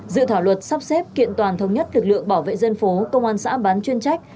dự thảo luật sắp xếp kiện toàn thống nhất lực lượng bảo vệ dân phố công an xã bán chuyên trách